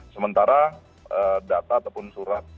sementara data ataupun surat